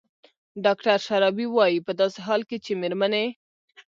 ډاکتر شرابي وايي په داسې حال کې چې مېرمنې